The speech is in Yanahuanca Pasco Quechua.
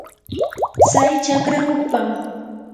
tsay chakra hukpam.